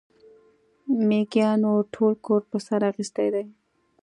مېږيانو ټول کور پر سر اخيستی دی.